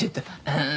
ああ。